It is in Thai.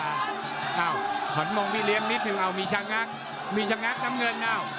อ้าวขนมองพี่เลี้ยงมิดถึงมีชะงักมีชะงักน้ำเงิน